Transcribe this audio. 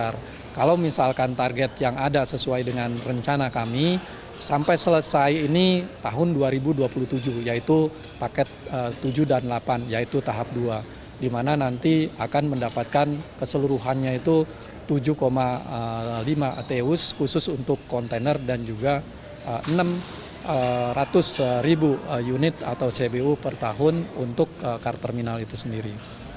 enam ratus ribu unit atau cbu per tahun untuk kar terminal itu sendiri